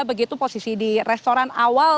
begitu posisi di restoran awal